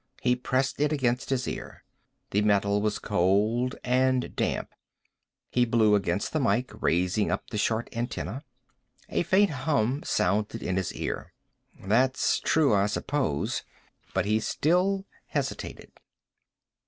He pressed it against his ear. The metal was cold and damp. He blew against the mike, raising up the short antenna. A faint hum sounded in his ear. "That's true, I suppose." But he still hesitated.